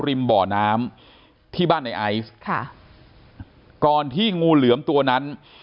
บ่อน้ำที่บ้านในไอซ์ค่ะก่อนที่งูเหลือมตัวนั้น